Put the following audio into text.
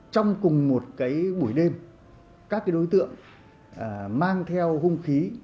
trong cùng một buổi đêm các đối tượng mang theo hung khí